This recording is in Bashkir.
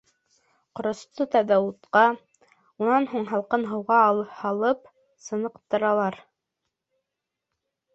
Ҡоросто тәүҙә утҡа, унан һуң һалҡын һыуға һалып сыныҡтыралар.